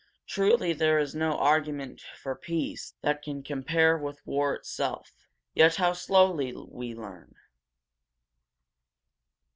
Truly, there is no argument for peace that can compare with war itself! Yet how slowly we learn!